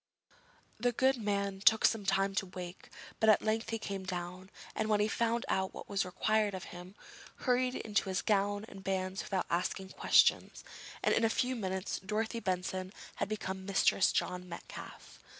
The good man took some time to wake, but at length he came down, and, when he found out what was required of him, hurried into his gown and bands without asking questions, and in a few minutes Dorothy Benson had become Mistress John Metcalfe.